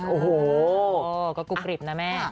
โอ้โหก็กรุบกริบนะแม่